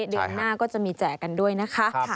เดือนหน้าก็จะมีแจกกันด้วยนะคะ